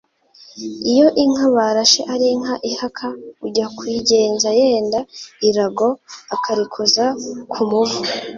Iyo inka barashe ari inka ihaka, ujya kuyigenza yenda irago akarikoza ku muvu,